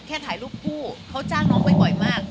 แค่ถ่ายลูกผู้เค้าจ้างน้องไปบ่อยมาก